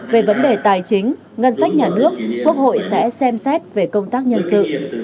về vấn đề tài chính ngân sách nhà nước quốc hội sẽ xem xét về công tác nhân sự